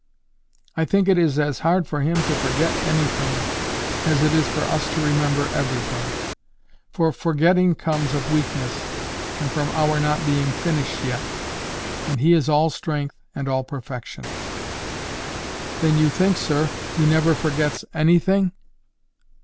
I think it is as hard for Him to forget anything as it is for us to remember everything; for forgetting comes of weakness, and from our not being finished yet, and He is all strength and all perfection." "Then you think, sir, He never forgets anything?"